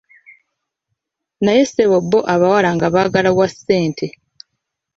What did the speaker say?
Naye ssebo bbo abawala nga baagala wa ssente.